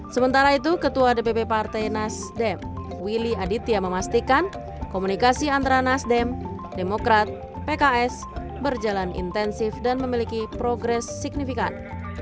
sementara itu ketua dpp partai nasdem willy aditya memastikan komunikasi antara nasdem demokrat pks berjalan intensif dan memiliki progres signifikan